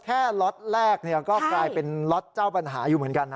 ล็อตแรกก็กลายเป็นล็อตเจ้าปัญหาอยู่เหมือนกันนะ